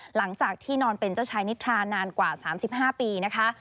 หลังจากที่นอนเป็นเจ้าชายนิทรานานกว่า๓๕ปีนะคะ